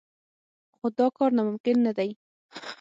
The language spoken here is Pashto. خو دا کار ناممکن هم نه دی.